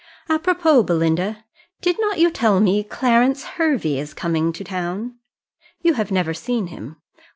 Apropos, Belinda, did not you tell me Clarence Hervey is coming to town? You have never seen him.